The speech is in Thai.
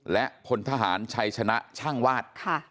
และพลทหารชัยชนะช่างวาด